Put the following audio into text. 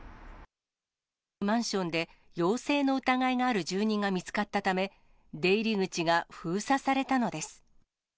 マンションで、陽性の疑いがある住人が見つかったため、出入り口が封鎖されたのです。